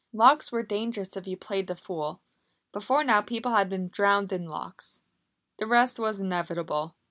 Locks were dangerous if you played the fool. Before now people had been drowned in locks. The rest was inevitable.